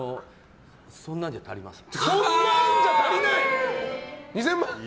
そんなんじゃ足りません。